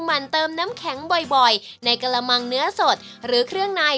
มันเติมน้ำแข็งบ่อยในกระมังเนื้อสดหรือเครื่องใน